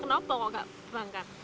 kenapa kok gak berangkat